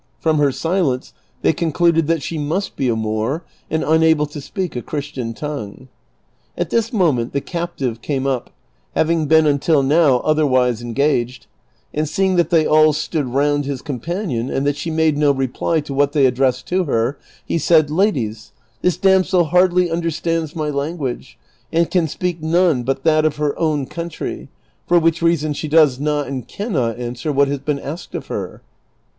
From her silence they concluded that she must be a Moor and unable to speak a Christian tongue. At this moment the captive ^ came up, having been until now otherwise engaged, and seeing that they all stood round his companion and that she made no reply to what they ad dressed to her, he said, " Ladies, this damsel hardly under stands my language and can speak none but that of her own ' Cervantes forgets that he has not as yet said anything about his captivity. Vol. I. — 21 322 DON QUIXOTE. country, for which reasou she does not and can not answer what has been asked of her."